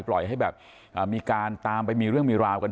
ปล่อยให้แบบมีการตามไปมีเรื่องมีราวกัน